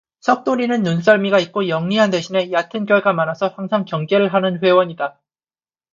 석돌이는 눈썰미가 있고 영리한 대신에 얕은 꾀가 많아서 항상 경계를 하는 회원이다.